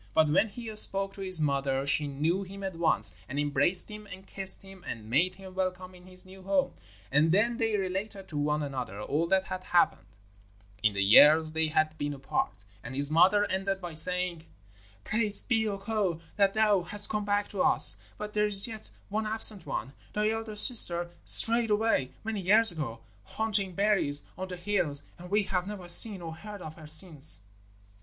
But when he spoke to his mother she knew him at once, and embraced him and kissed him, and made him welcome in his new home. And then they related to one another all that had happened in the years they had been apart, and his mother ended by saying: 'Praised be Ukko that thou hast come back to us; but there is yet one absent one thy eldest sister strayed away many years ago, hunting berries on the hills, and we have never seen or heard of her since.'